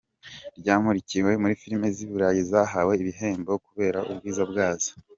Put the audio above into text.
Ryamurikiwemo filime z’i Burayi zahawe ibihembo kubera ubwiza bwazo.